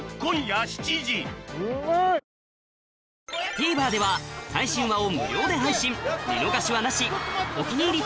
ＴＶｅｒでは最新話を無料で配信見逃しはなし「お気に入り」